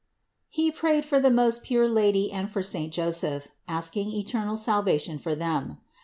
He prayed for the most pure Lady and for saint Joseph, asking eternal salvation for them.